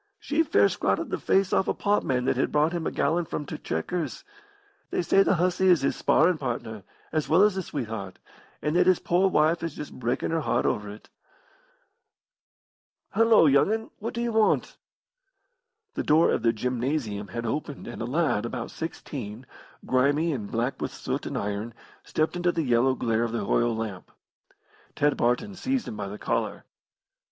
She fair scratted the face off a potman that had brought him a gallon from t' 'Chequers.' They say the hussy is his sparrin' partner, as well as his sweetheart, and that his poor wife is just breakin' her heart over it. Hullo, young 'un, what do you want?" The door of the gymnasium had opened and a lad, about sixteen, grimy and black with soot and iron, stepped into the yellow glare of the oil lamp. Ted Barton seized him by the collar.